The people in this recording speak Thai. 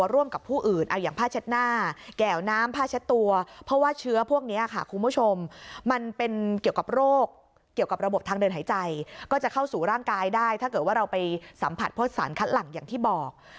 โรคเกี่ยวกับระบบทางเดินหายใจก็จะเข้าสู่ร่างกายได้ถ้าเกิดว่าเราไปสัมผัสพวกสารคัดหลั่นอย่างที่บอก